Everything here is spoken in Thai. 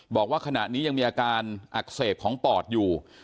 บอกว่าขณะนี้ยังมีอาการอักเสบของปอดอยู่